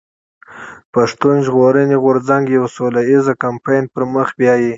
پښتون ژغورني غورځنګ يو سوله ايز کمپاين پر مخ بيايي.